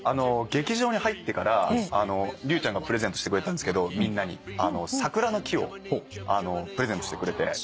劇場に入ってから龍ちゃんがプレゼントしてくれたんですけどみんなに桜の木をプレゼントしてくれて。